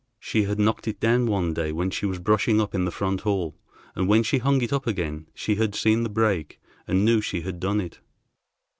She had knocked it down one day when she was brushing up in the front hall, and when she hung it up again, she had seen the break, and knew she had done it.